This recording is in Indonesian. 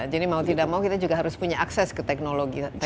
jadi mau tidak mau kita juga harus punya akses ke teknologi seperti ini